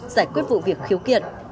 giải quyết vụ việc khiếu kiện